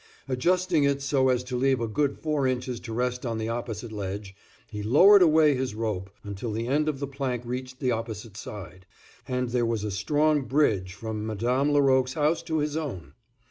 Adjusting it so as to leave a good four inches to rest on the opposite ledge, he lowered away his rope until the end of the plank reached the opposite side, and there was a strong bridge from Madame Laroque's house to his own.